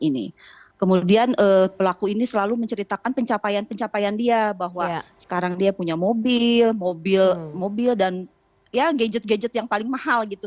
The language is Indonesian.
ini kemudian pelaku ini selalu menceritakan pencapaian pencapaian dia bahwa sekarang dia punya mobil mobil dan ya gadget gadget yang paling mahal gitu